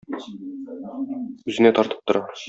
Үзенә тартып тора.